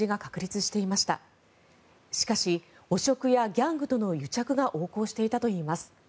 しかし汚職やギャングとの癒着が横行していたといいます。